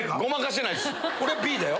俺はＢだよ。